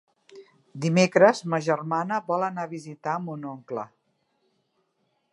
Dimecres ma germana vol anar a visitar mon oncle.